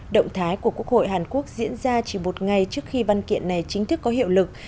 động thái của quốc hội hàn quốc diễn ra chỉ một ngày trước khi văn kiện này chính thức có hiệu lực